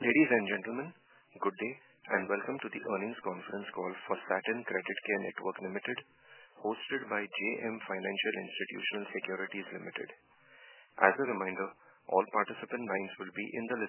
Ladies, and gentlemen, good day, and welcome to the Earnings Conference Call for Satin Creditcare Network Limited, hosted by JM Financial Institutional Securities Limited. As a reminder, all participant lines will be in the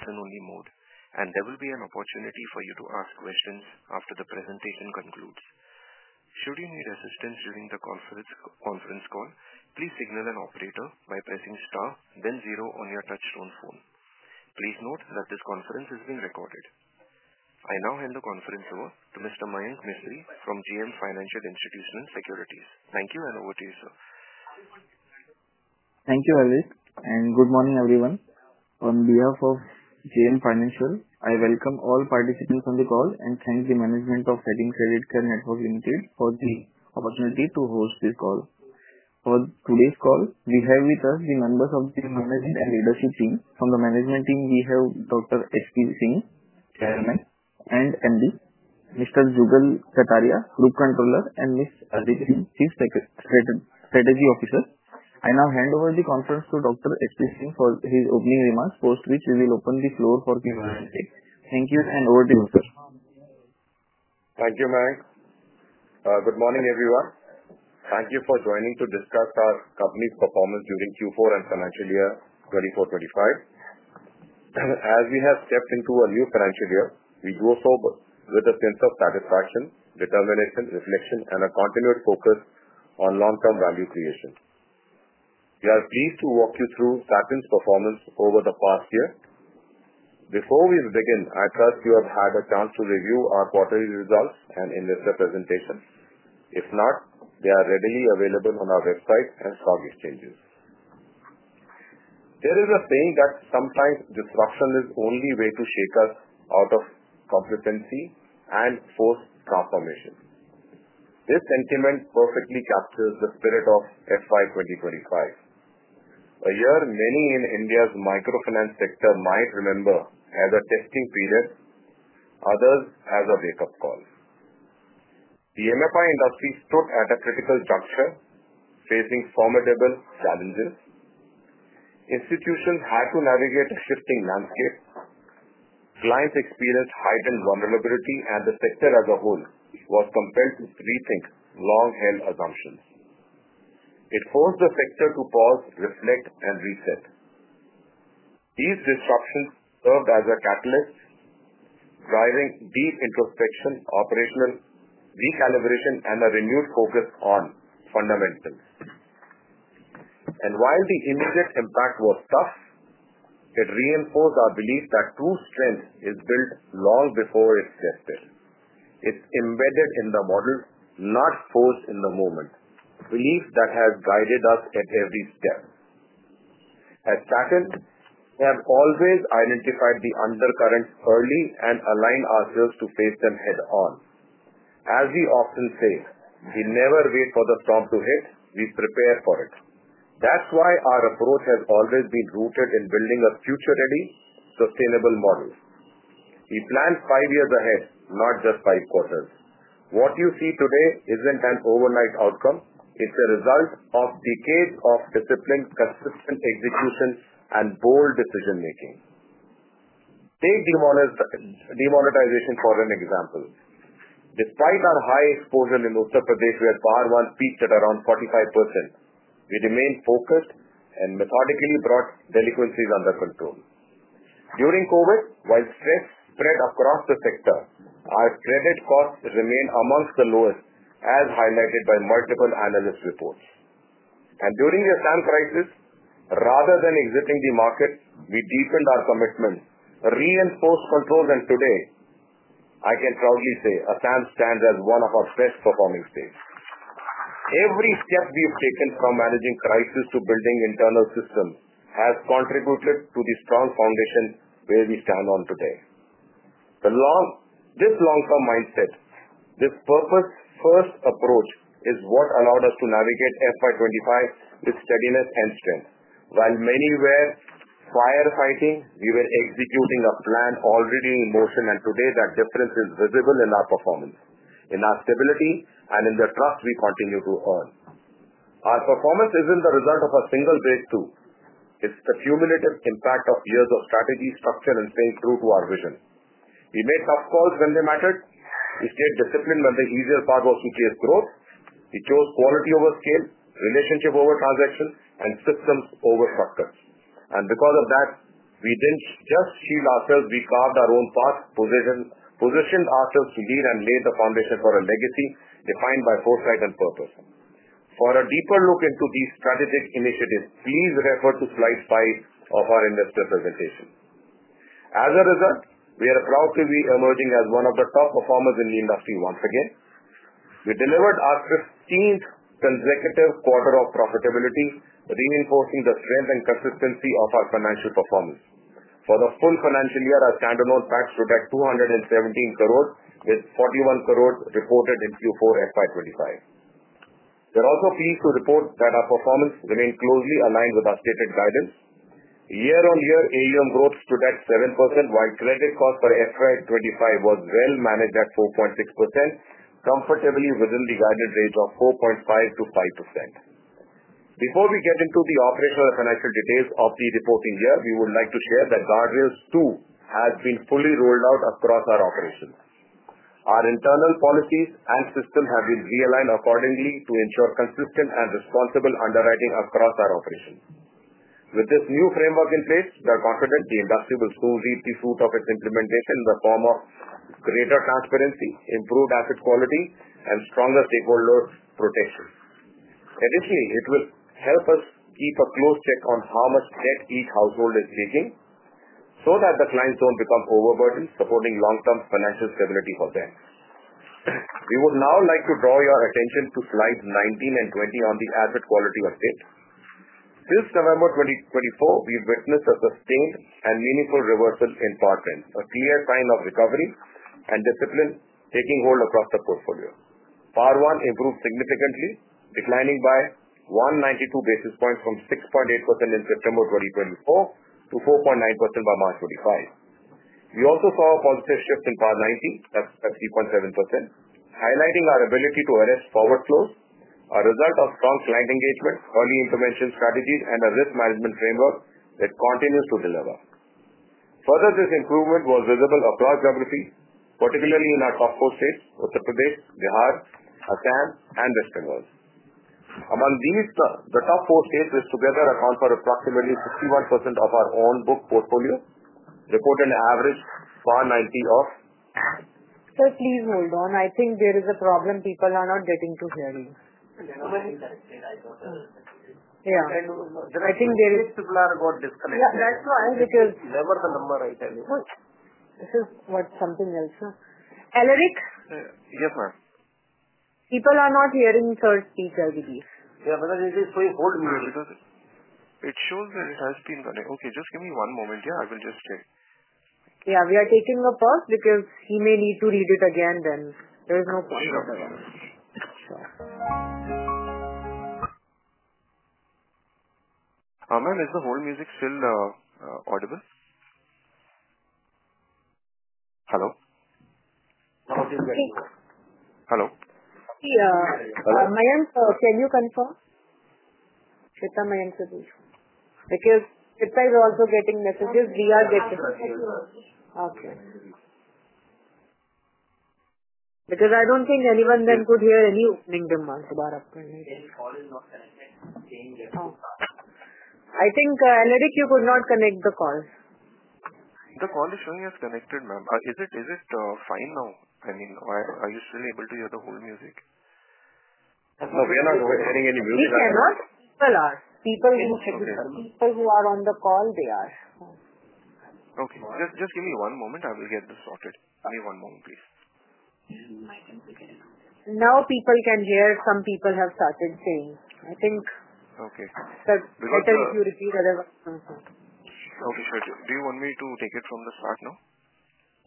listen-only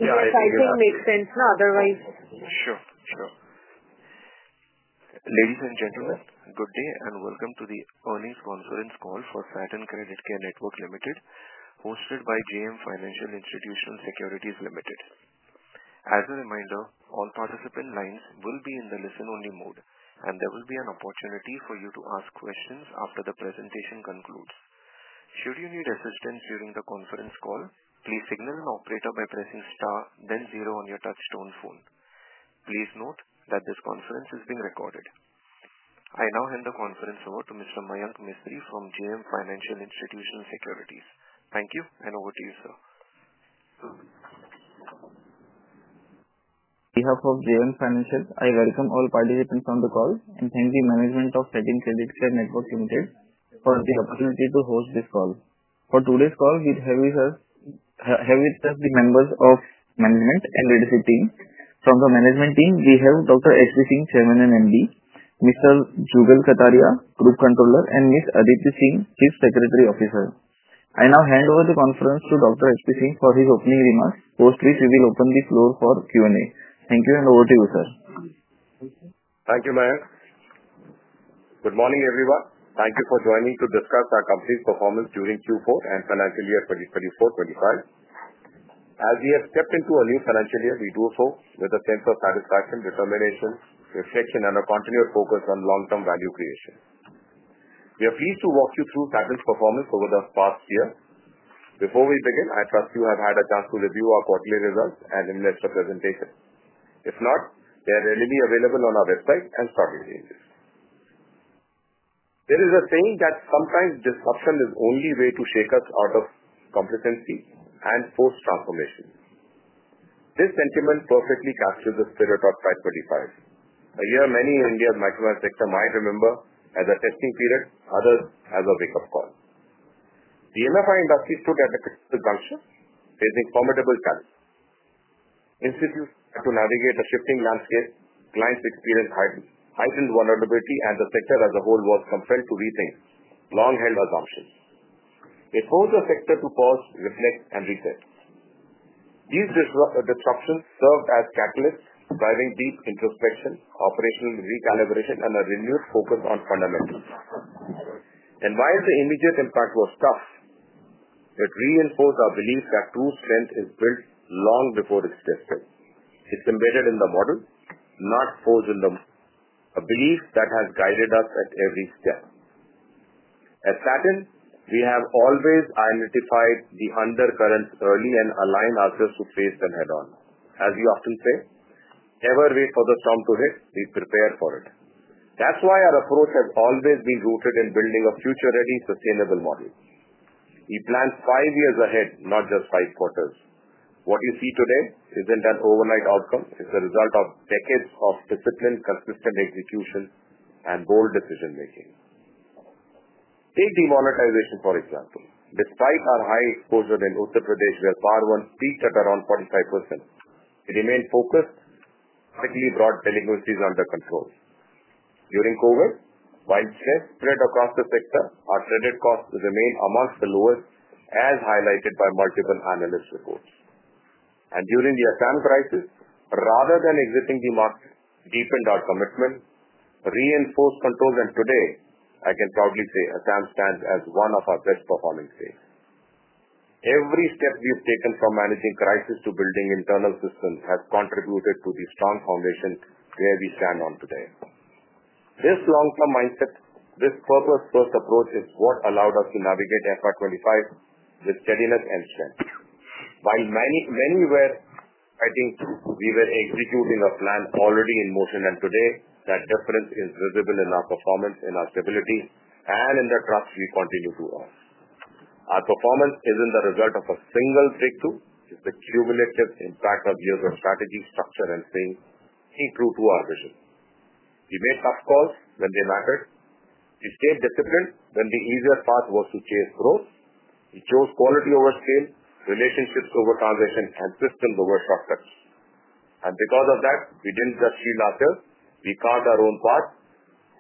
mode, and there will be an opportunity for you to ask questions after the presentation concludes. Should you need assistance during the conference call, please signal an operator by pressing star, then zero on your touchstone phone. Please note that this conference is being recorded. I now hand the conference over to Mr. Mayank Mistry from JM Financial Institutional Securities. Thank you and over to you, sir. Thank you, Harvish, and good morning, everyone. On behalf of JM Financial, I welcome all participants on the call and thank the management of Satin Creditcare Network Limited for the opportunity to host this call. For today's call, we have with us the members of the management and leadership team. From the management team, we have Dr. HP Singh, Chairman and MD, Mr. Jugal Kataria, Group Controller, and Ms. Aditi Singh, Chief Strategy Officer. I now hand over the conference to Dr. HP Singh for his opening remarks, post which we will open the floor for Q&A. Thank you and over to you, sir. Thank you, Mayank. Good morning, everyone. Thank you for joining to discuss our company's performance during Q4 and financial year 2024-2025. As we have stepped into a new financial year, we do so with a sense of satisfaction, determination, reflection, and a continued focus on long-term value creation. We are pleased to walk you through Satin's performance over the past year. Before we begin, I trust you have had a chance to review our quarterly results and investor presentations. If not, they are readily available on our website and stock exchanges. There is a saying that sometimes disruption is the only way to shake us out of competency and force transformation. This sentiment perfectly captures the spirit of FY 2025, a year many in India's microfinance sector might remember as a testing period, others as a wake-up call. The MFI industry stood at a critical juncture, facing formidable challenges. Institutions had to navigate a shifting landscape. Clients experienced A belief that has guided us at every step. At Satin, we have always identified the undercurrents early and aligned ourselves to face them head-on. As we often say, never wait for the storm to hit; we prepare for it. That's why our approach has always been rooted in building a future-ready, sustainable model. We plan five years ahead, not just five quarters. What you see today isn't an overnight outcome. It's the result of decades of discipline, consistent execution, and bold decision-making. Take demonetization, for example. Despite our high exposure in Uttar Pradesh, where PAR1 peaked at around 45%, we remained focused and quickly brought delinquencies under control. During COVID, while stress spread across the sector, our credit costs remained amongst the lowest, as highlighted by multiple analyst reports. During the Assam crisis, rather than exiting the market, we deepened our commitment, reinforced controls, and today, I can proudly say Assam stands as one of our best-performing states. Every step we've taken from managing crisis to building internal systems has contributed to the strong foundation where we stand on today. This long-term mindset, this purpose-first approach, is what allowed us to navigate FY 2025 with steadiness and strength. While many were fighting, we were executing a plan already in motion, and today, that difference is visible in our performance, in our stability, and in the trust we continue to earn. Our performance isn't the result of a single breakthrough. It's the cumulative impact of years of strategy, structure, and staying true to our vision. We made tough calls when they mattered. We stayed disciplined when the easier path was to chase growth. We chose quality over scale, relationships over transaction, and systems over structure. Because of that, we didn't just shield ourselves; we carved our own path,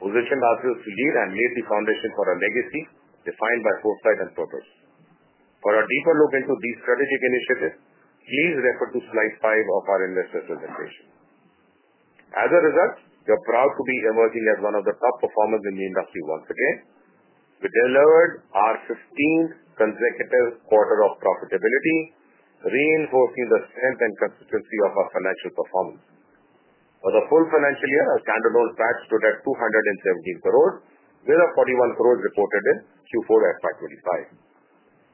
positioned ourselves to lead, and laid the foundation for a legacy defined by foresight and purpose. For a deeper look into these strategic initiatives, please refer to slide five of our investor presentation. As a result, we are proud to be emerging as one of the top performers in the industry once again. We delivered our 15th consecutive quarter of profitability, reinforcing the strength and consistency of our financial performance. For the full financial year, our standalone tax stood at 217 crore, with 41 crore reported in Q4 FY 2025.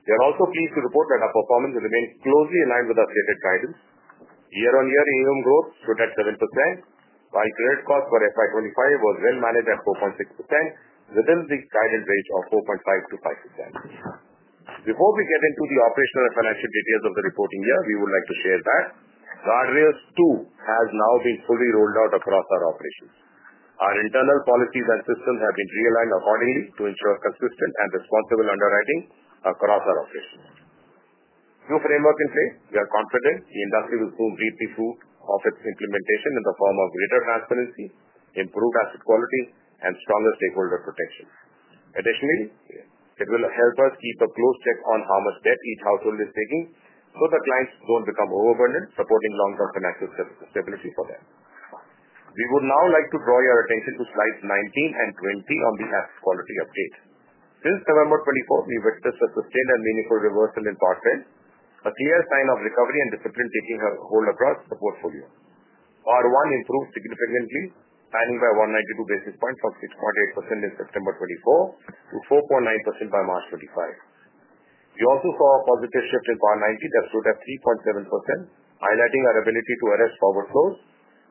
We are also pleased to report that our performance remained closely aligned with our stated guidance. Year-on-year AUM growth stood at 7%, while credit costs for FY 2025 were well-managed at 4.6%, within the guided range of 4.5%-5%. Before we get into the operational and financial details of the reporting year, we would like to share that Guardrails 2 has now been fully rolled out across our operations. Our internal policies and systems have been realigned accordingly to ensure consistent and responsible underwriting across our operations. With the new framework in place, we are confident the industry will soon reap the fruits of its implementation in the form of greater transparency, improved asset quality, and stronger stakeholder protection. Additionally, it will help us keep a close check on how much debt each household is taking so that clients do not become overburdened, supporting long-term financial stability for them. We would now like to draw your attention to slides 19 and 20 on the asset quality update. Since November 2024, we witnessed a sustained and meaningful reversal in PAR10, a clear sign of recovery and discipline taking hold across the portfolio. PAR1 improved significantly, panning by 192 basis points from 6.8% in September 2024 to 4.9% by March 2025. We also saw a positive shift in PAR 90 that stood at 3.7%, highlighting our ability to arrest forward flows,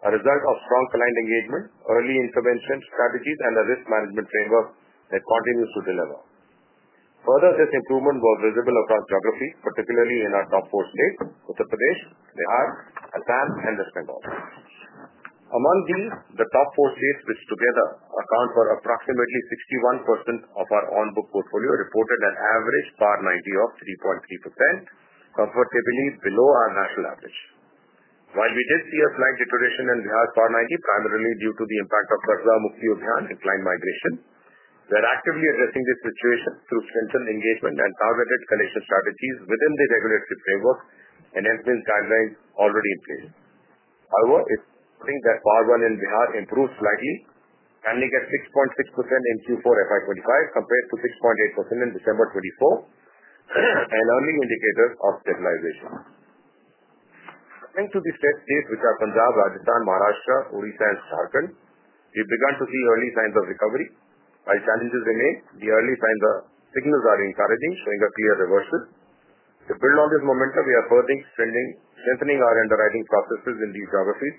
a result of strong client engagement, early intervention strategies, and a risk management framework that continues to deliver. Further, this improvement was visible across geography, particularly in our top four states: Uttar Pradesh, Bihar, Assam, and West Bengal. Among these, the top four states which together account for approximately 61% of our own book portfolio reported an average PAR 90 of 3.3%, comfortably below our national average. While we did see a slight deterioration in Bihar's PAR 90, primarily due to the impact of Gurzar Mukti Udhian and client migration, we are actively addressing this situation through strengthened engagement and targeted collection strategies within the regulatory framework and enhanced guidelines already in place. However, it's worrying that PAR1 in Bihar improved slightly, panning at 6.6% in Q4 FY 2025 compared to 6.8% in December 2024, an early indicator of stabilization. Coming to the states which are Punjab, Rajasthan, Maharashtra, Odisha, and Jharkhand, we've begun to see early signs of recovery. While challenges remain, the early signs are encouraging, showing a clear reversal. To build on this momentum, we are further strengthening our underwriting processes in these geographies,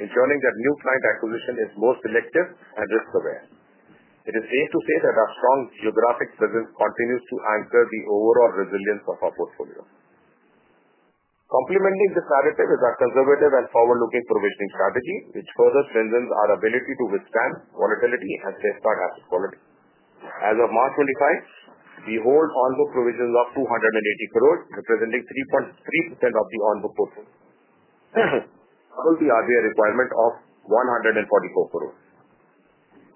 ensuring that new client acquisition is more selective and risk-aware. It is safe to say that our strong geographic presence continues to anchor the overall resilience of our portfolio. Complementing this narrative is our conservative and forward-looking provisioning strategy, which further strengthens our ability to withstand volatility and safeguard asset quality. As of March 2025, we hold on-book provisions of 280 crore, representing 3.3% of the on-book portfolio, double the RBI requirement of 144 crore.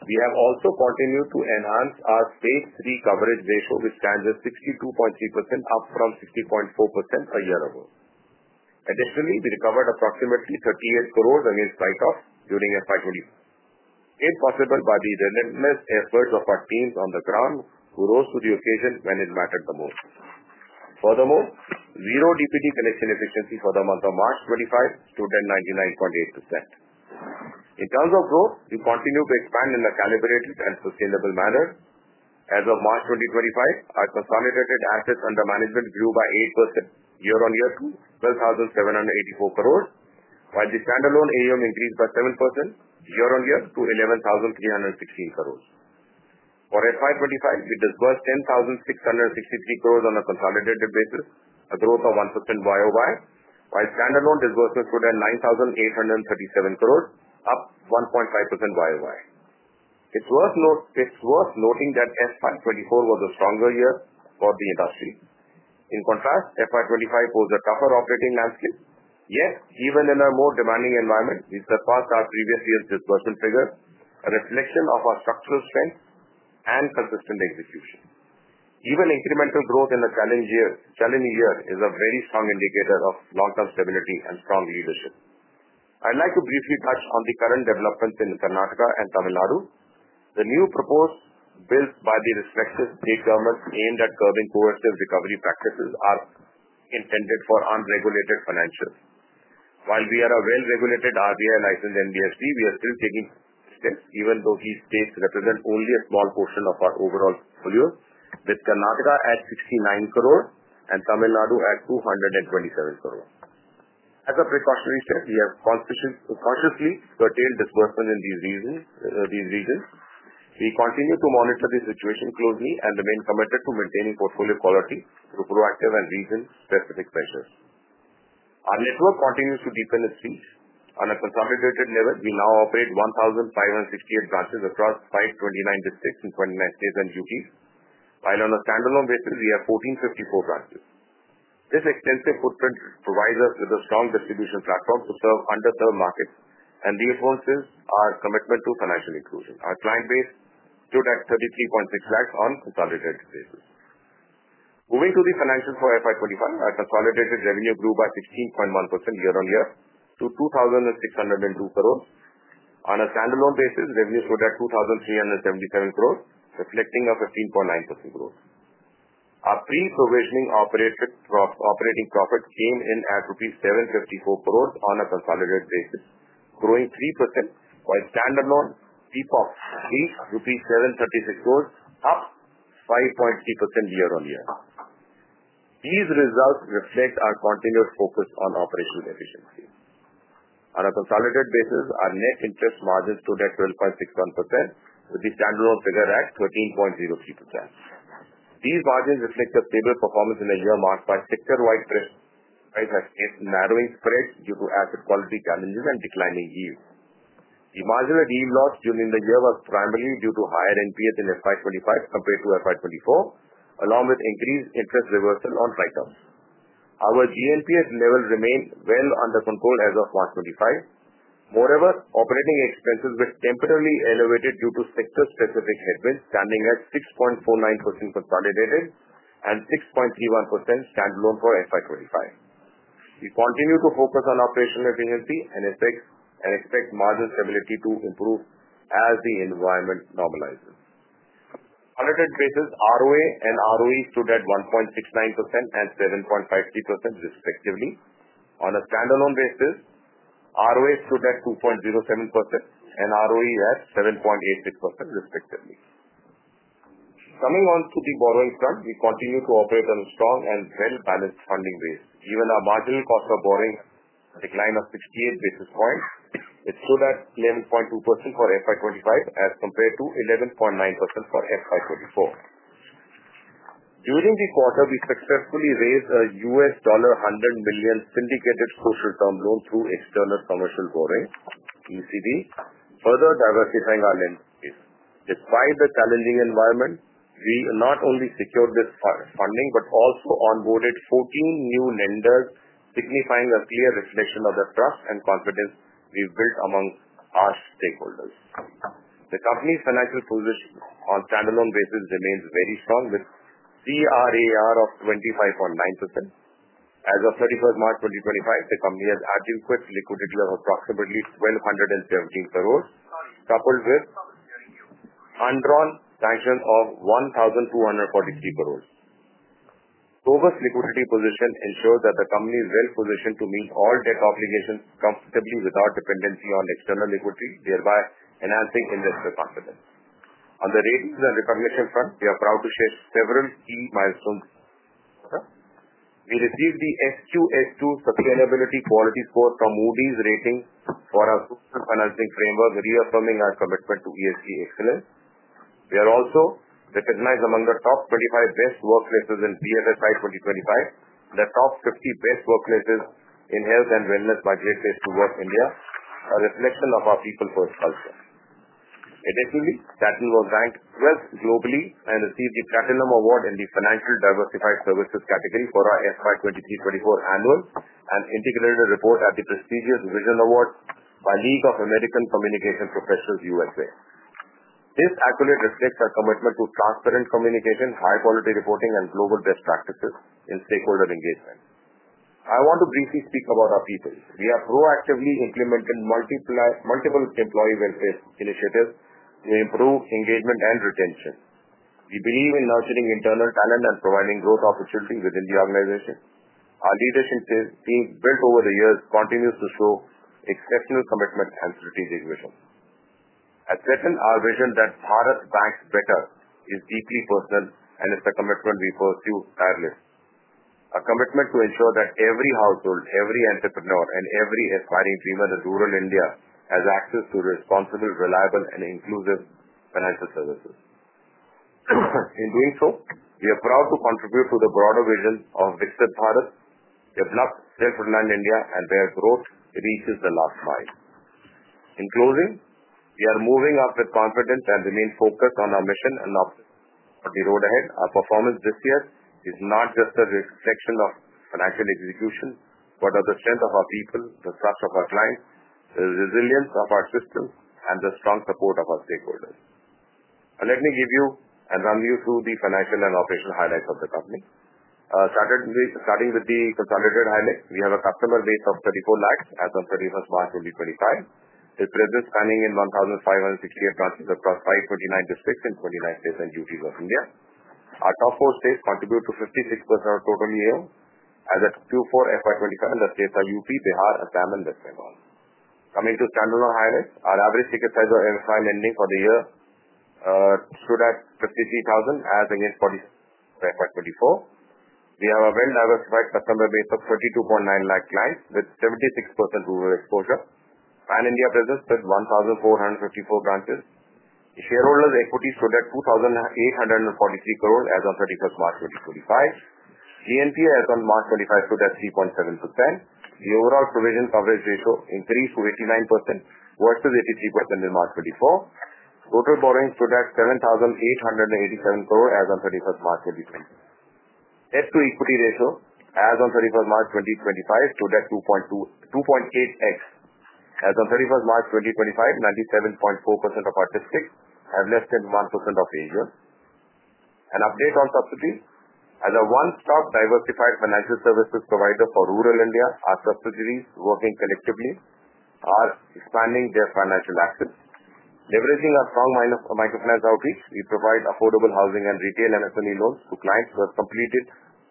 We have also continued to enhance our state-to-state coverage ratio, which stands at 62.3%, up from 60.4% a year ago. Additionally, we recovered approximately 38 crore against write-offs during FY 2024, made possible by the relentless efforts of our teams on the ground who rose to the occasion when it mattered the most. Furthermore, zero DPD collection efficiency for the month of March 2025 stood at 99.8%. In terms of growth, we continue to expand in a calibrated and sustainable manner. As of March 2025, our consolidated assets under management grew by 8% year-on-year to 12,784 crore, while the standalone AUM increased by 7% year-on-year to 11,316 crore. For FY 2025, we disbursed 10,663 crore on a consolidated basis, a growth of 1% year-on-year, while standalone disbursement stood at 9,837 crore, up 1.5% year-on-year. It's worth noting that FY 2024 was a stronger year for the industry. In contrast, FY 2025 posed a tougher operating landscape. Yet, even in a more demanding environment, we surpassed our previous year's disbursement figure, a reflection of our structural strength and consistent execution. Even incremental growth in a challenging year is a very strong indicator of long-term stability and strong leadership. I'd like to briefly touch on the current developments in Karnataka and Tamil Nadu. The new proposed bills by the respective state governments aimed at curbing coercive recovery practices are intended for unregulated financials. While we are a well-regulated RBI-licensed NBFC, we are still taking steps, even though these states represent only a small portion of our overall portfolio, with Karnataka at 69 crore and Tamil Nadu at 227 crore. As a precautionary step, we have consciously curtailed disbursements in these regions. We continue to monitor the situation closely and remain committed to maintaining portfolio quality through proactive and region-specific measures. Our network continues to deepen its reach. On a consolidated level, we now operate 1,568 branches across 529 districts in 29 states and UTs, while on a standalone basis, we have 1,454 branches. This extensive footprint provides us with a strong distribution platform to serve underserved markets, and reinforces our commitment to financial inclusion. Our client base stood at 3.36 million on a consolidated basis. Moving to the financials for FY 2025, our consolidated revenue grew by 16.1% year-on-year to 2,602 crore. On a standalone basis, revenue stood at 2,377 crore, reflecting a 15.9% growth. Our pre-provisioning operating profit came in at rupees 754 crore on a consolidated basis, growing 3%, while standalone pre-provisioning operating profit came in at INR 736 crore, up 5.3% year-on-year. These results reflect our continued focus on operational efficiency. On a consolidated basis, our net interest margin stood at 12.61%, with the standalone figure at 13.03%. These margins reflect a stable performance in a year marked by sector-wide pressures and a narrowing spread due to asset quality challenges and declining yield. The margin of yield loss during the year was primarily due to higher GNPA in FY 2025 compared to FY 2024, along with increased interest reversal on write-offs. Our GNPA level remained well under control as of March 2025. Moreover, operating expenses were temporarily elevated due to sector-specific headwinds, standing at 6.49% consolidated and 6.31% standalone for FY 2025. We continue to focus on operational efficiency and expect margin stability to improve as the environment normalizes. On a consolidated basis, ROA and ROE stood at 1.69% and 7.53%, respectively. On a standalone basis, ROA stood at 2.07% and ROE at 7.86%, respectively. Coming onto the borrowing front, we continue to operate on a strong and well-balanced funding base. Given our marginal cost of borrowing decline of 68 basis points, it stood at 11.2% for FY 2025 as compared to 11.9% for FY 2024. During the quarter, we successfully raised a $100 million syndicated social term loan through external commercial borrowing, ECB, further diversifying our lending base. Despite the challenging environment, we not only secured this funding but also onboarded 14 new lenders, signifying a clear reflection of the trust and confidence we've built among our stakeholders. The company's financial position on a standalone basis remains very strong, with CRAR of 25.9%. As of 31st of March 2025, the company has adequate liquidity of approximately 1,217 crore, coupled with undrawn sanctions of 1,243 crore. Robust liquidity position ensures that the company is well-positioned to meet all debt obligations comfortably without dependency on external equity, thereby enhancing investor confidence. On the ratings and recognition front, we are proud to share several key milestones. We received the SQS2 Sustainability Quality Score from Moody's rating for our social financing framework, reaffirming our commitment to ESG excellence. We are also recognized among the top 25 best workplaces in BFSI 2025, the top 50 best workplaces in Health and Wellness by Great Place to Work India, a reflection of our people-first culture. Additionally, Satin Creditcare Network Limited ranked 12th globally and received the Platinum Award in the Financial Diversified Services category for our FY 2023-2024 annual and integrated report at the prestigious Vision Awards by League of American Communication Professionals USA. This accolade reflects our commitment to transparent communication, high-quality reporting, and global best practices in stakeholder engagement. I want to briefly speak about our people. We have proactively implemented multiple employee welfare initiatives to improve engagement and retention. We believe in nurturing internal talent and providing growth opportunities within the organization. Our leadership team, built over the years, continues to show exceptional commitment and strategic vision. At second, our vision that Bharat Banks Better is deeply personal and is a commitment we pursue tirelessly. Our commitment is to ensure that every household, every entrepreneur, and every aspiring dreamer in rural India has access to responsible, reliable, and inclusive financial services. In doing so, we are proud to contribute to the broader vision of Viksit Bharat, develop self-reliance in India, and where growth reaches the last mile. In closing, we are moving up with confidence and remain focused on our mission and the road ahead. Our performance this year is not just a reflection of financial execution but of the strength of our people, the trust of our clients, the resilience of our systems, and the strong support of our stakeholders. Let me give you and run you through the financial and operational highlights of the company. Starting with the consolidated highlights, we have a customer base of 3.4 million as of 31st of March 2025, with presence spanning 1,568 branches across 529 districts in 29 states and UTs of India. Our top four states contribute to 56% of total yield as at Q4 FY 2025, and the states are Uttar Pradesh, Bihar, Assam, and West Bengal. Coming to standalone highlights, our average ticket size of airline lending for the year stood at 53,000 crore, as against 47,000 crore for FY 2024. We have a well-diversified customer base of 3.29 million clients, with 76% rural exposure. Pan India presence stood at 1,454 branches. Shareholders' equity stood at 2,843 crore as of 31st of March 2025. GNPA as of March 2025 stood at 3.7%. The overall provision coverage ratio increased to 89% versus 83% in March 2024. Total borrowing stood at 7,887 crore as of 31st of March 2025. Debt-to-equity ratio as of 31st of March 2025 stood at 2.8x. As of 31st of March 2025, 97.4% of our districts have less than 1% of the agent. An update on subsidiaries: as a one-stop diversified financial services provider for rural India, our subsidiaries working collectively are expanding their financial access. Leveraging our strong microfinance outreach, we provide affordable housing and retail and SME loans to clients who have completed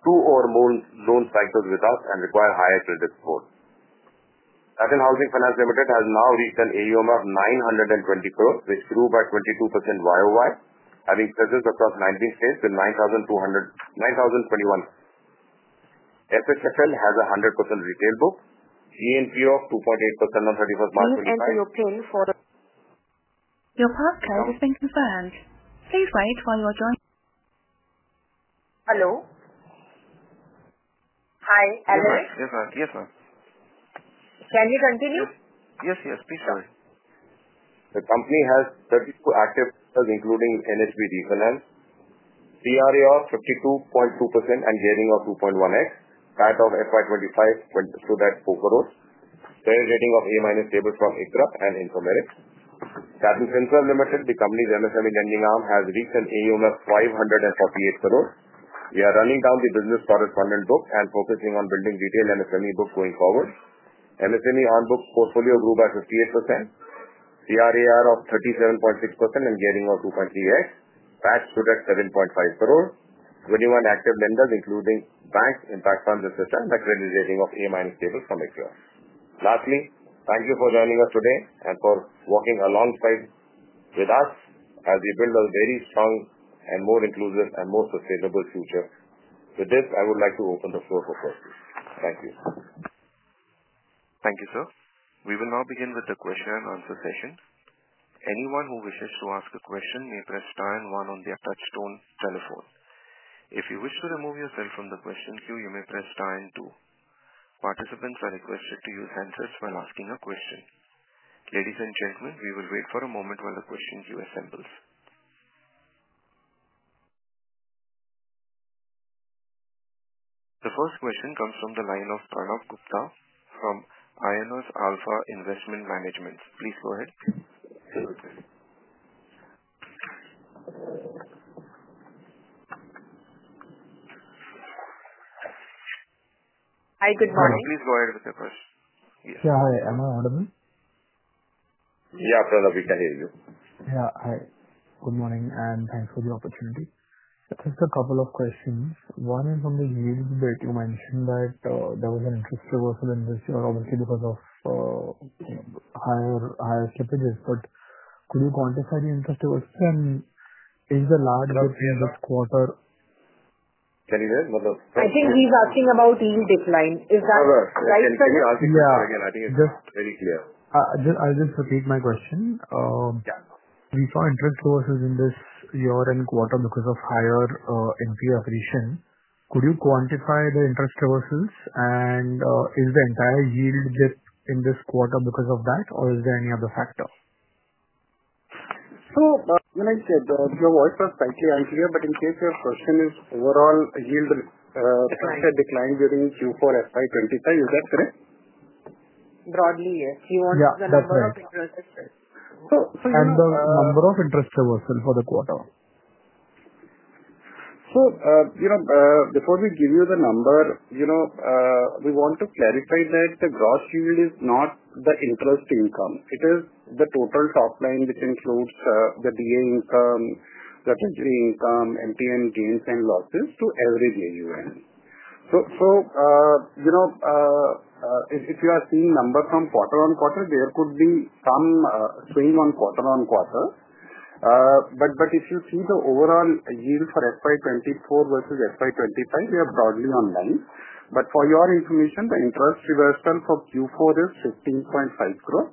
two or more loan cycles without and require higher credit score. Satin Housing Finance Limited has now reached an AUM of 920 crore, which grew by 22% YOY, having presence across 19 states with 9,221 crore. SHFL has a 100% retail book, GNPA of 2.8% on 31st of March 2025. Your PIN for your passcode has been confirmed. Please wait while you are joining. Hello? Hi, Alex? Yes, sir. Yes, sir. Can you continue? Yes, yes. Please go ahead. The company has 32 active members, including NHB Refinance, CRAR of 52.2%, and gearing of 2.1x. That of FY 2025 stood at INR 4 crore. Fair rating of A- stable from ICRA and Infomerics. Satin Creditline Limited, the company's MSME lending arm, has reached an AUM of INR 548 crore. We are running down the business correspondent book and focusing on building retail MSME book going forward. MSME on-book portfolio grew by 58%, CRAR of 37.6%, and gearing of 2.3x. That stood at 7.5 crore. 21 active lenders, including banks, impact funds, et cetera, and a credit rating of A- stable from ICRA. Lastly, thank you for joining us today and for walking alongside with us as we build a very strong and more inclusive and more sustainable future. With this, I would like to open the floor for questions. Thank you. Thank you, sir. We will now begin with the question and answer session. Anyone who wishes to ask a question may press star and one on the touchstone telephone. If you wish to remove yourself from the question queue, you may press star and two. Participants are requested to use handsets while asking a question. Ladies, and gentlemen, we will wait for a moment while the question queue assembles. The first question comes from the line of Pranav Gupta from Invesco Alpha Investment Management. Please go ahead. Hi. Good morning. Please go ahead with your question. Yeah. Hi. Am I audible? Yeah, Pranav. We can hear you. Yeah. Hi. Good morning, and thanks for the opportunity. Just a couple of questions. One is on the yields bit. You mentioned that there was an interest reversal in this year, obviously because of higher slippages. Could you quantify the interest reversal? Is this the largest quarter? Can you hear me? I think he's asking about yield decline. Is that right? Can you ask it again? I think it's very clear. I'll just repeat my question. Yeah. We saw interest reversals in this year and quarter because of higher NPS appreciation. Could you quantify the interest reversals? Is the entire yield dip in this quarter because of that, or is there any other factor? So. When I said, your voice was slightly unclear, but in case your question is overall yield declined during Q4 FY 2025, is that correct? Broadly, yes. He wants the number of interest reversals. You know. The number of interest reversals for the quarter. Before we give you the number, we want to clarify that the gross yield is not the interest income. It is the total top line, which includes the DA income, the TG income, MTN gains and losses to every DAUN. If you are seeing numbers from quarter-on-quarter, there could be some swing on quarter-on-quarter. If you see the overall yield for FY 2024 versus FY 2025, we are broadly online. For your information, the interest reversal for Q4 is 15.5 crore.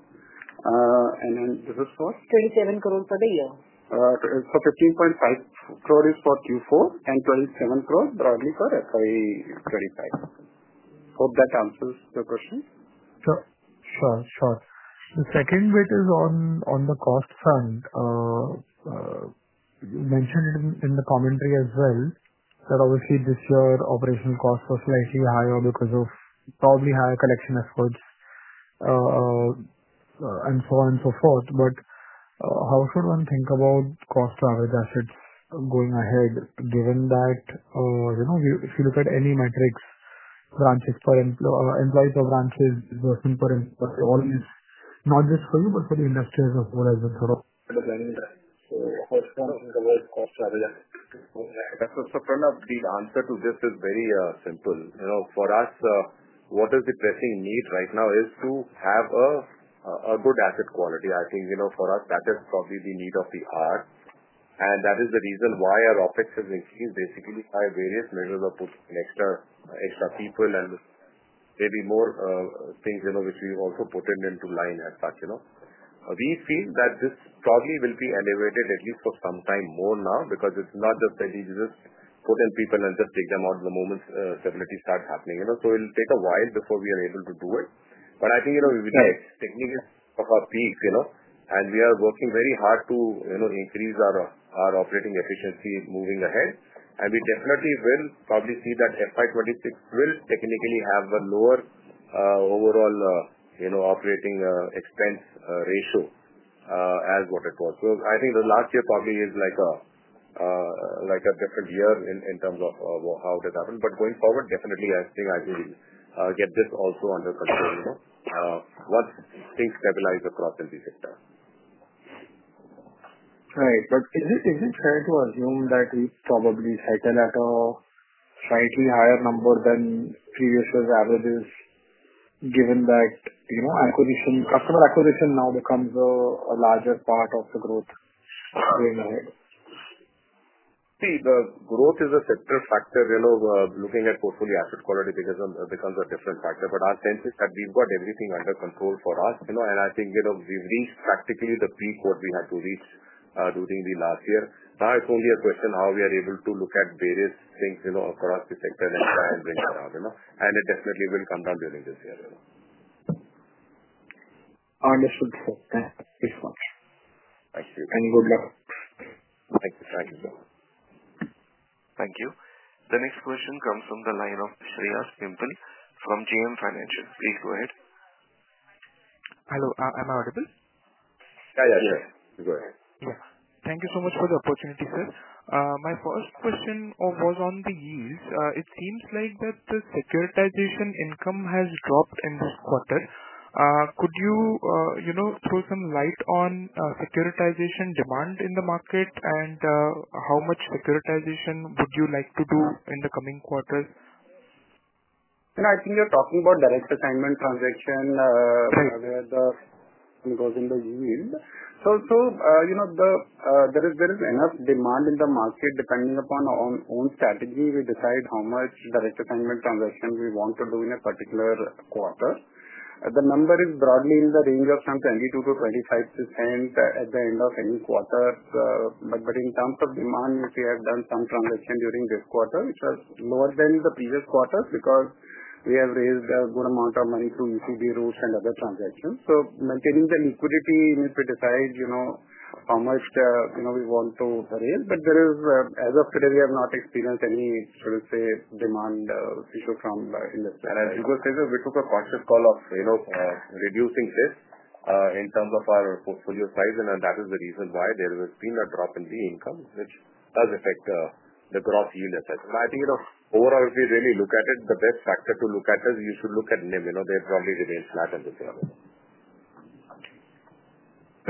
This is for? 27 crore for the year. 15.5 crore is for Q4, and 27 crore broadly for FY 2025. Hope that answers the question. Sure. The second bit is on the cost front. You mentioned it in the commentary as well, that obviously this year operational costs were slightly higher because of probably higher collection efforts and so on and so forth. How should one think about cost to average assets going ahead, given that if you look at any metrics, branches per employee, person per employee, all these not just for you, but for the industries as well as the. Understanding that. How should one think about cost to average assets going ahead? That's a surprise. The answer to this is very simple. For us, what is the pressing need right now is to have a good asset quality. I think for us, that is probably the need of the heart. That is the reason why our OPEX has increased, basically by various measures of putting in extra people and maybe more things which we've also put in into line and such. We feel that this probably will be elevated at least for some time more now because it's not just that you just put in people and just take them out the moment stability starts happening. It'll take a while before we are able to do it. I think we've reached a technical peak, and we are working very hard to increase our operating efficiency moving ahead. We definitely will probably see that FY 2026 will technically have a lower overall operating expense ratio as what it was. I think the last year probably is like a different year in terms of how it has happened. Going forward, definitely, I think we will get this also under control once things stabilize across every sector. Right. Is it fair to assume that we probably settle at a slightly higher number than previous year's averages, given that customer acquisition now becomes a larger part of the growth going ahead? See, the growth is a sector factor. Looking at portfolio asset quality becomes a different factor. Our sense is that we've got everything under control for us. I think we've reached practically the peak what we had to reach during the last year. Now it's only a question how we are able to look at various things across the sector and try and bring it down. It definitely will come down during this year. Understood. Thank you so much. Thank you. Good luck. Thank you. Thank you, sir. Thank you. The next question comes from the line of Shreyas Pimple from JM Financial. Please go ahead. Hello. Am I audible? Yeah, yes. You go ahead. Yeah. Thank you so much for the opportunity, sir. My first question was on the yields. It seems like that the securitization income has dropped in this quarter. Could you throw some light on securitization demand in the market, and how much securitization would you like to do in the coming quarters? I think you're talking about direct assignment transaction where the goes in the yield. There is enough demand in the market depending upon our own strategy. We decide how much direct assignment transaction we want to do in a particular quarter. The number is broadly in the range of 22-25% at the end of any quarter. In terms of demand, we have done some transaction during this quarter, which was lower than the previous quarters because we have raised a good amount of money through ECB routes and other transactions. Maintaining the liquidity, we decide how much we want to raise. As of today, we have not experienced any demand issue from the industry. As you just said, we took a cautious call of reducing this in terms of our portfolio size. That is the reason why there has been a drop in the income, which does affect the gross yield assets. I think overall, if we really look at it, the best factor to look at is you should look at NIM. They probably remain flat at this level.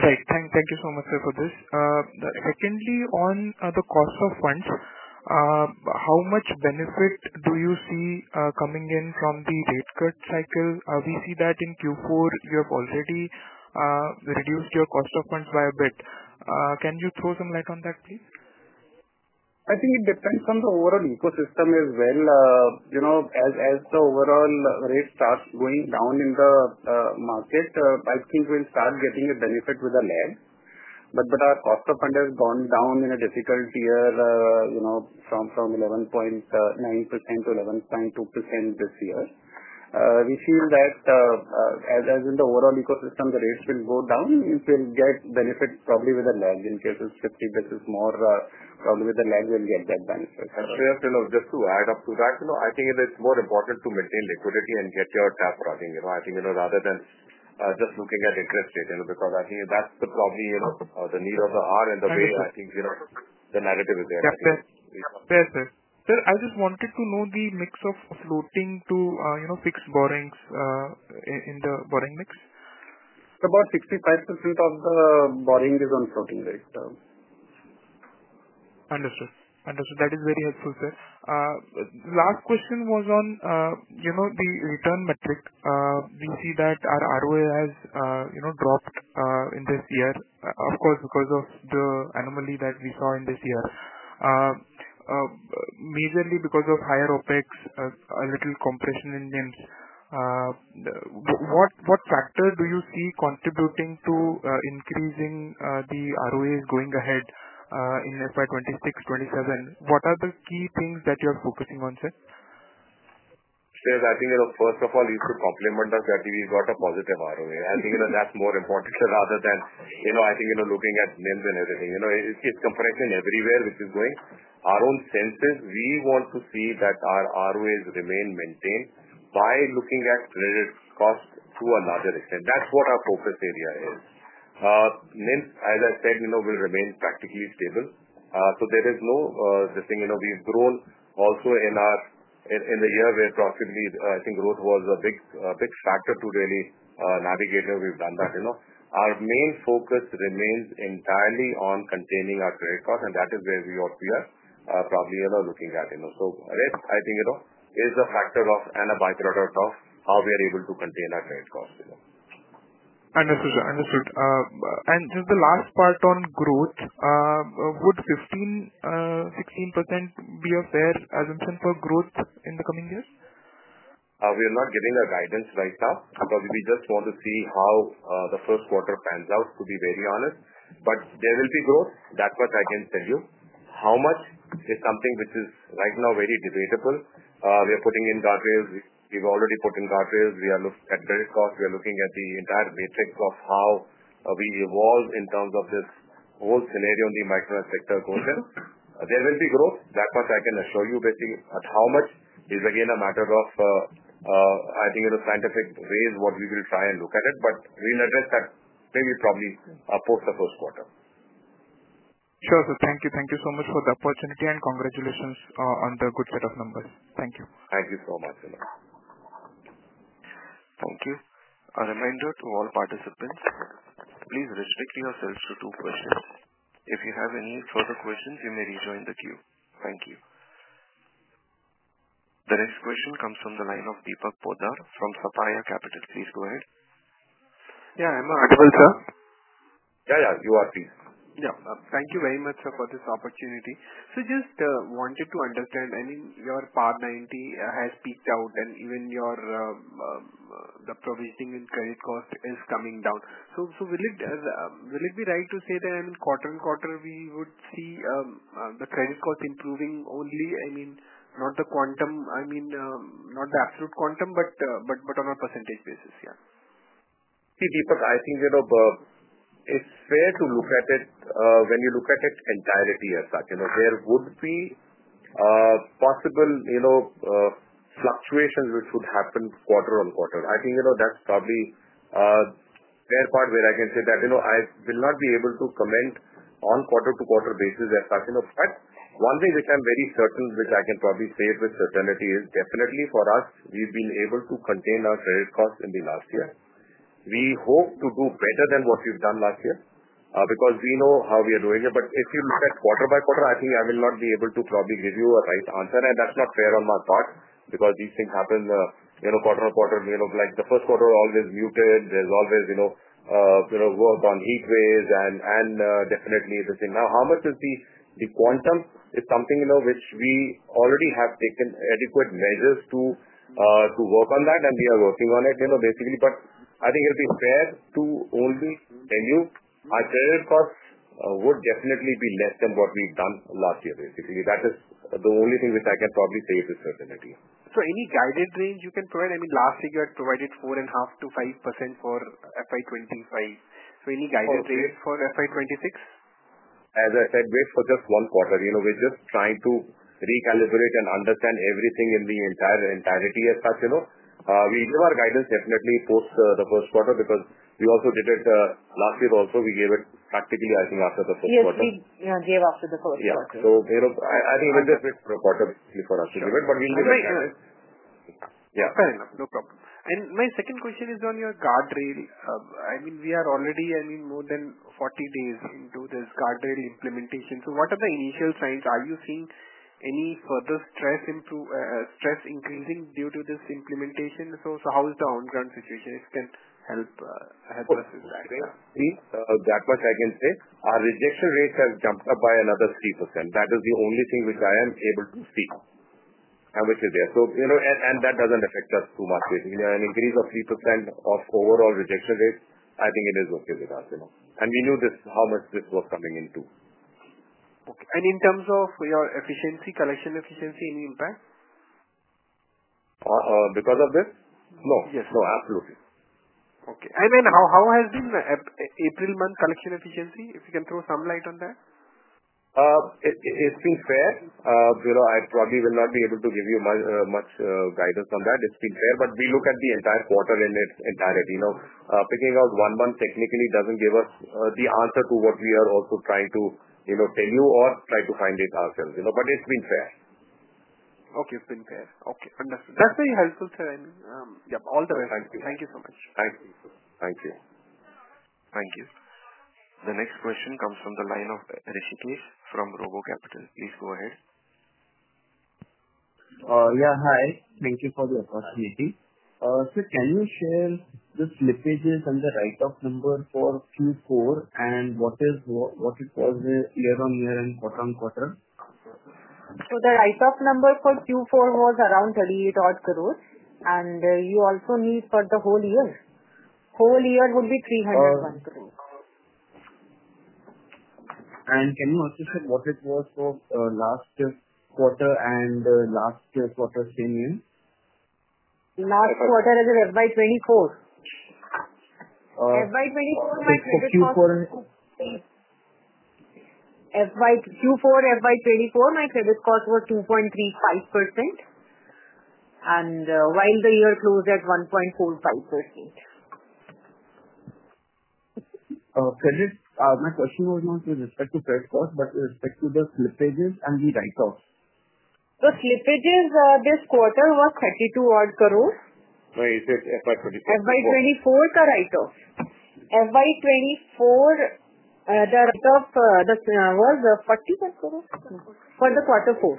Right. Thank you so much, sir, for this. Secondly, on the cost of funds, how much benefit do you see coming in from the rate cut cycle? We see that in Q4 you have already reduced your cost of funds by a bit. Can you throw some light on that, please? I think it depends on the overall ecosystem as well. As the overall rate starts going down in the market, I think we'll start getting a benefit with a lag. Our cost of fund has gone down in a difficult year from 11.9% to 11.2% this year. We feel that as in the overall ecosystem, the rates will go down. We'll get benefit probably with a lag. In case it's 50 basis points more, probably with a lag, we'll get that benefit. Shreyas, just to add up to that, I think it is more important to maintain liquidity and get your tap running. I think rather than just looking at interest rate because I think that is probably the need of the heart and the way I think the narrative is there. Yes, sir. Sir, I just wanted to know the mix of floating to fixed borrowings in the borrowing mix. About 65% of the borrowing is on floating rate. Understood. Understood. That is very helpful, sir. Last question was on the return metric. We see that our ROA has dropped in this year, of course, because of the anomaly that we saw in this year, majorly because of higher OPEX, a little compression in NIMs. What factor do you see contributing to increasing the ROAs going ahead in FY 2026, FY 2027? What are the key things that you are focusing on, sir? Sir, I think first of all, it's to complement us that we got a positive ROA. I think that's more important rather than I think looking at NIMs and everything. It's compression everywhere, which is going our own senses. We want to see that our ROAs remain maintained by looking at credit cost to a larger extent. That's what our focus area is. NIMs, as I said, will remain practically stable. There is no the thing we've grown also in the year where profitability, I think growth was a big factor to really navigate. We've done that. Our main focus remains entirely on containing our credit cost, and that is where we are probably looking at. Risk, I think, is a factor and a byproduct of how we are able to contain our credit cost. Understood. Understood. Just the last part on growth, would 15-16% be a fair assumption for growth in the coming years? We are not giving a guidance right now. We just want to see how the first quarter pans out, to be very honest. There will be growth. That's what I can tell you. How much is something which is right now very debatable. We are putting in guardrails. We've already put in guardrails. We are looking at credit cost. We are looking at the entire matrix of how we evolve in terms of this whole scenario in the micro and sector quarter. There will be growth. That's what I can assure you. How much is, again, a matter of, I think, scientific ways what we will try and look at it. We'll address that maybe probably post the first quarter. Sure. Sir, thank you. Thank you so much for the opportunity and congratulations on the good set of numbers. Thank you. Thank you so much. Thank you. A reminder to all participants, please restrict yourselves to two questions. If you have any further questions, you may rejoin the queue. Thank you. The next question comes from the line of Deepak Poddar from Sapphire Capital. Please go ahead. Yeah. Am I audible, sir? Yeah, yeah. You are, please. Yeah. Thank you very much, sir, for this opportunity. Just wanted to understand, I mean, your PAR 90 has peaked out, and even the provisioning in credit cost is coming down. Will it be right to say that in quarter-on-quarter we would see the credit cost improving only? I mean, not the quantum, I mean, not the absolute quantum, but on a percentage basis, yeah? See, Deepak, I think it's fair to look at it when you look at it entirely as such. There would be possible fluctuations which would happen quarter-on-quarter. I think that's probably the fair part where I can say that I will not be able to comment on quarter to quarter basis as such. One thing which I'm very certain, which I can probably say with certainty, is definitely for us, we've been able to contain our credit cost in the last year. We hope to do better than what we've done last year because we know how we are doing it. If you look at quarter by quarter, I think I will not be able to probably give you a right answer. That's not fair on my part because these things happen quarter-on-quarter. The first quarter always muted. There's always work on heat waves and definitely this thing. Now, how much is the quantum? It's something which we already have taken adequate measures to work on that, and we are working on it basically. I think it'll be fair to only tell you our credit costs would definitely be less than what we've done last year, basically. That is the only thing which I can probably say with certainty. Any guided range you can provide? I mean, last year you had provided 4.5%-5% for FY 2025. Any guided range for FY 2026? As I said, wait for just one quarter. We're just trying to recalibrate and understand everything in the entirety as such. We give our guidance definitely post the first quarter because we also did it last year also. We gave it practically, I think, after the first quarter. Yes, we gave after the first quarter. Yeah. I think it will be a bit quarterly for us to give it, but we'll give it. Right. Fair enough. No problem. My second question is on your guardrail. I mean, we are already more than 40 days into this guardrail implementation. What are the initial signs? Are you seeing any further stress increasing due to this implementation? How is the ongoing situation? If you can help us with that. See, that much I can say. Our rejection rates have jumped up by another 3%. That is the only thing which I am able to see and which is there. That does not affect us too much. Basically, an increase of 3% of overall rejection rate, I think it is okay with us. We knew how much this was coming into. Okay. In terms of your efficiency, collection efficiency, any impact? Because of this? Yes. No. No, absolutely. Okay. How has been April month collection efficiency? If you can throw some light on that. It's been fair. I probably will not be able to give you much guidance on that. It's been fair. We look at the entire quarter in its entirety. Picking out one month technically does not give us the answer to what we are also trying to tell you or try to find ourselves. It's been fair. Okay. It's been fair. Okay. Understood. That's very helpful, sir. I mean, yeah, all the best. Thank you. Thank you so much. Thank you. Thank you. The next question comes from the line of Rishikesh from RoboCapital. Please go ahead. Yeah, hi. Thank you for the opportunity. Sir, can you share the slippages and the write-off number for Q4 and what it was year-on-year and quarter-on-quarter? The write-off number for Q4 was around 38 crore. You also need for the whole year. Whole year would be 301 crore. Can you also share what it was for last quarter and last quarter same year? Last quarter as of FY 2024. FY 2024, my credit cost. So Q4. FY 2024, my credit cost was 2.35%. While the year closed at 1.45%. My question was not with respect to credit cost, but with respect to the slippages and the write-offs. The slippages this quarter was INR 32 crore. Wait, you said FY 24? FY 2024, the write-off. FY 2024, the write-off was 41 crore for the quarter four.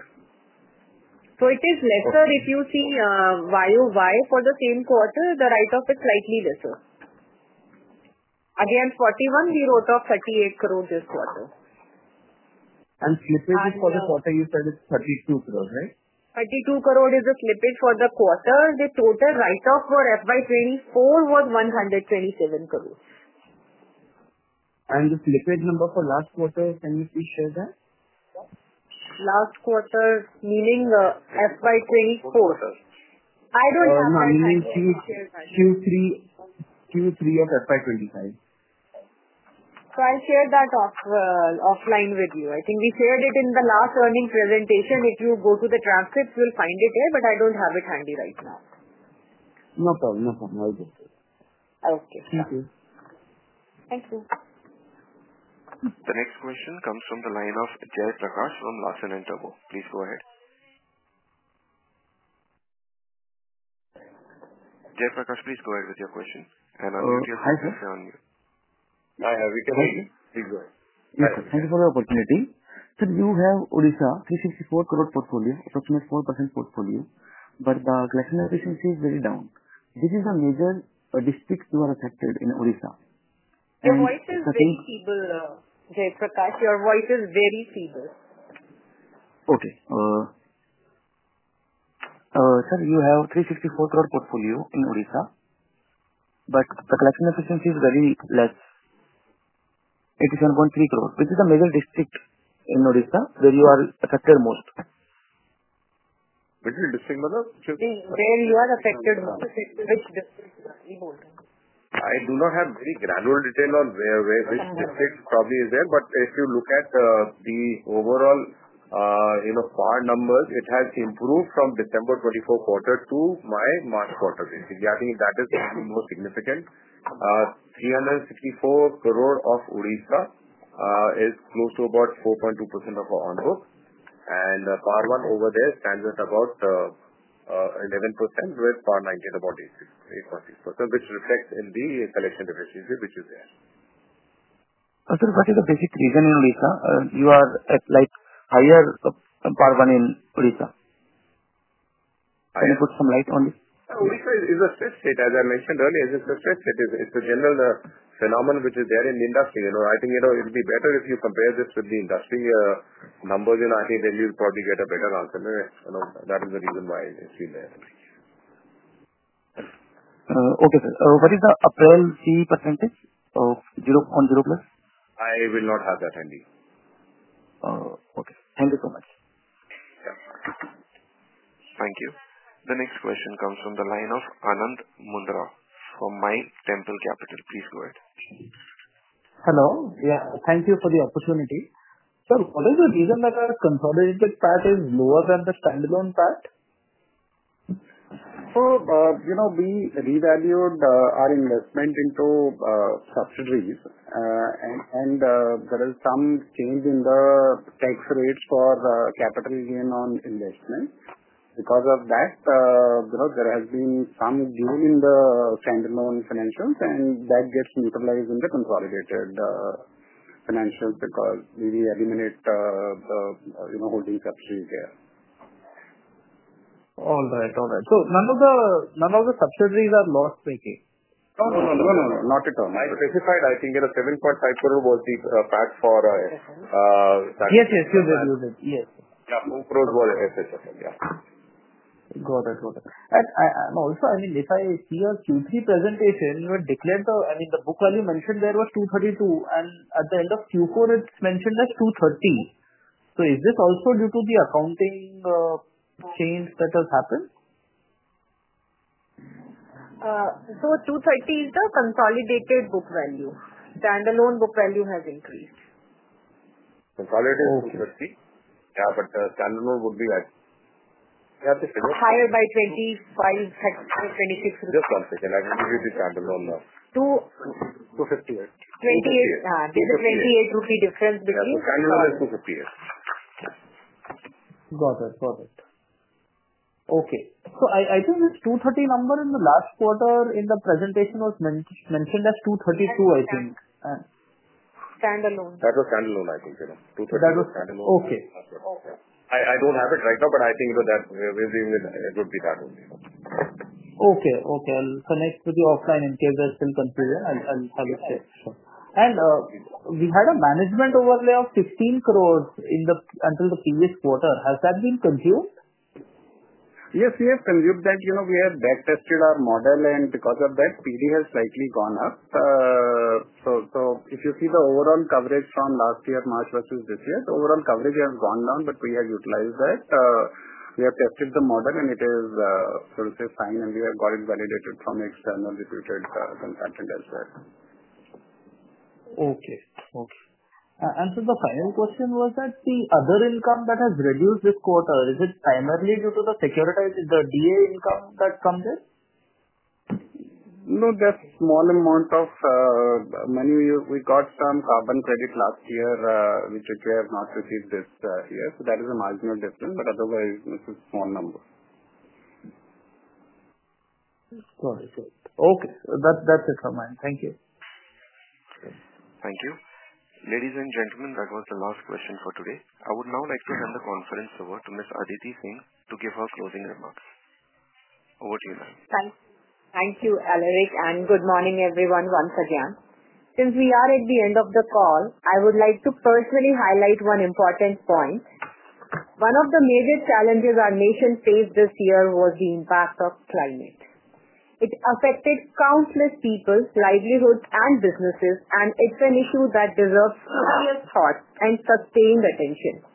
It is lesser if you see year-over-year for the same quarter. The write-off is slightly lesser. Again, 41 crore, we wrote off 38 crore this quarter. Slippage is for the quarter, you said it's 32 crore, right? 32 crore is the slippage for the quarter. The total write-off for FY 2024 was 127 crore. The slippage number for last quarter, can you please share that? Last quarter, meaning FY 2024? Quarter. I don't have my sheet. No, no. Meaning Q3 of FY 2025. I'll share that offline with you. I think we shared it in the last earnings presentation. If you go to the transcripts, you'll find it there. I don't have it handy right now. No problem. I'll just. Okay. Thank you. Thank you. The next question comes from the line of Ajay Prakash from Larsen & Toubro. Please go ahead. Jay Prakash, please go ahead with your question. Unmute yourself if you are on mute. Hi. Have you connected? Yes, please go ahead. Yes. Thank you for the opportunity. Sir, you have Odisha, 364 crore portfolio, approximately 4% portfolio. The collection efficiency is very down. This is the major district you are affected in Odisha. Your voice is very feeble. Ajay Prakash, your voice is very feeble. Okay. Sir, you have 364 crore portfolio in Odisha. The collection efficiency is very less, INR 87.3 crore. Which is the major district in Odisha where you are affected most? Which district? Where are you affected most, which district? I do not have very granular detail on which district probably is there. But if you look at the overall PAR numbers, it has improved from December 2024 quarter to my March quarter. I think that is the most significant. 364 crore of Odisha is close to about 4.2% of our onbook. And PAR 1 over there stands at about 11%, where PAR 90 is about 8.6%, which reflects in the collection efficiency which is there. Sir, what is the basic reason in Odisha? You are at higher PAR 1 in Odisha. Can you put some light on this? Odisha is a stress state. As I mentioned earlier, it's a stress state. It's a general phenomenon which is there in the industry. I think it'll be better if you compare this with the industry numbers. I think then you'll probably get a better answer. That is the reason why it's been there. Okay, sir. What is the April fee percentage of 0.0 plus? I will not have that handy. Okay. Thank you so much. Thank you. The next question comes from the line of Anant Mundra from Mytemple Capital. Please go ahead. Hello. Yeah. Thank you for the opportunity. Sir, what is the reason that our consolidated PAT is lower than the standalone PAT? We revalued our investment into subsidiaries. There is some change in the tax rates for capital gain on investment. Because of that, there has been some gain in the standalone financials, and that gets neutralized in the consolidated financials because we eliminate the holding subsidies there. All right. All right. So none of the subsidiaries are loss-making? No, not at all. I specified, I think 7.5 crore was the PAT for. Yes, you did. Yes. Yeah. 2 crore was FHFL. Yeah. Got it. Got it. Also, I mean, if I see your Q3 presentation, you had declared the, I mean, the book value mentioned there was 232 crore. And at the end of Q4, it's mentioned as 230 crore. Is this also due to the accounting change that has happened? 230 is the consolidated book value. Standalone book value has increased. Consolidated is 230. Yeah. Standalone would be at. Yeah. Higher by 25, 26. Just one second. I can give you the standalone now. 258. 28. Yeah. There's a 28 difference between. Standalone is 258. Got it. Got it. Okay. I think this 230 number in the last quarter in the presentation was mentioned as 232, I think. Standalone. That was standalone, I think. 230 was standalone. That was okay. Okay. I don't have it right now, but I think that it would be that only. Okay. Okay. I'll connect with you offline in case there's still confusion. I'll have it shared. We had a management overlay of 15 crore until the previous quarter. Has that been consumed? Yes. We have consumed that. We have back-tested our model. Because of that, PD has slightly gone up. If you see the overall coverage from last year March versus this year, the overall coverage has gone down, but we have utilized that. We have tested the model, and it is, so to say, fine. We have got it validated from external reputed consultant as well. Okay. Okay. The final question was that the other income that has reduced this quarter, is it primarily due to the DA income that comes in? No. That small amount of money, we got some carbon credit last year, which we have not received this year. That is a marginal difference. Otherwise, it's a small number. Got it. Got it. Okay. That's it from mine. Thank you. Thank you. Ladies and gentlemen, that was the last question for today. I would now like to hand the conference over to Ms. Aditi Singh to give her closing remarks. Over to you, ma'am. Thank you, Alarik. Good morning, everyone, once again. Since we are at the end of the call, I would like to personally highlight one important point. One of the major challenges our nation faced this year was the impact of climate. It affected countless people's livelihoods and businesses, and it is an issue that deserves serious thought and sustained attention.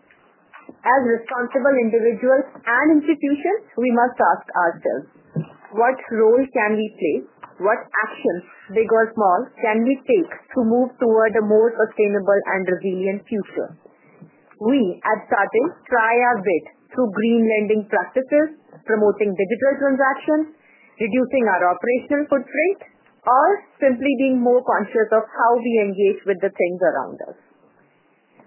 As responsible individuals and institutions, we must ask ourselves, what role can we play? What actions, big or small, can we take to move toward a more sustainable and resilient future? We, at Satin, try our bit through green lending practices, promoting digital transactions, reducing our operational footprint, or simply being more conscious of how we engage with the things around us.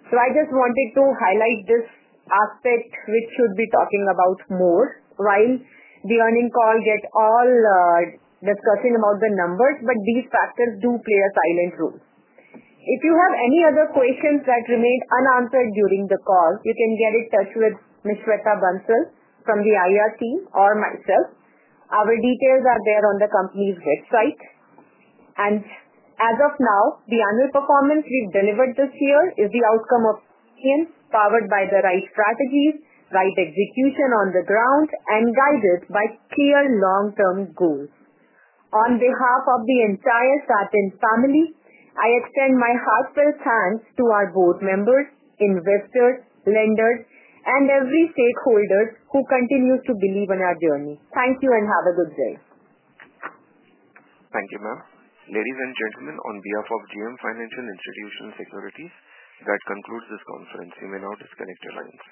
I just wanted to highlight this aspect, which should be talked about more while the earnings call gets all discussing about the numbers, but these factors do play a silent role. If you have any other questions that remain unanswered during the call, you can get in touch with Ms. Shweta Bansal from the IR team or myself. Our details are there on the company's website. As of now, the annual performance we've delivered this year is the outcome of patience, powered by the right strategies, right execution on the ground, and guided by clear long-term goals. On behalf of the entire Satin family, I extend my heartfelt thanks to our board members, investors, lenders, and every stakeholder who continues to believe in our journey. Thank you and have a good day. Thank you, ma'am. Ladies and gentlemen, on behalf of JM Financial Institutional Securities Limited, that concludes this conference. You may now disconnect your lines.